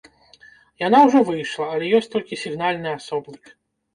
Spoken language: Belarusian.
Яна ўжо выйшла, але ёсць толькі сігнальны асобнік.